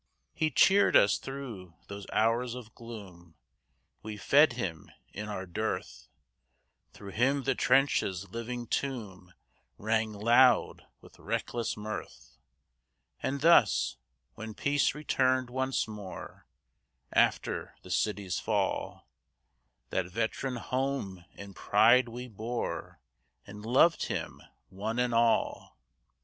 He cheered us through those hours of gloom; We fed him in our dearth; Through him the trench's living tomb Rang loud with reckless mirth; And thus, when peace returned once more, After the city's fall, That veteran home in pride we bore, And loved him, one and all.